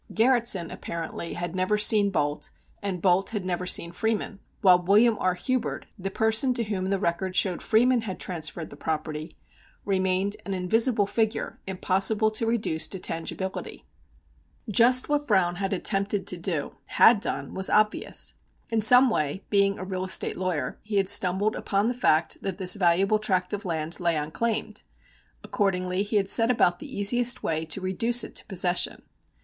Garretson apparently had never seen Bolte, and Bolte had never seen Freeman, while William R. Hubert, the person to whom the record showed Freeman had transferred the property, remained an invisible figure, impossible to reduce to tangibility. Just what Browne had attempted to do had done was obvious. In some way, being a real estate lawyer, he had stumbled upon the fact that this valuable tract of land lay unclaimed. Accordingly, he had set about the easiest way to reduce it to possession.